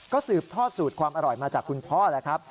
ก็สืบทอดสูตรความอร่อยมาจากคุณพ่อแล้วครับ